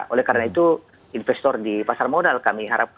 oleh karena itu investor di pasar modal yang harusnya mendapatkan izin dari ojk